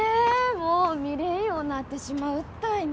もう見れんようになってしまうったいね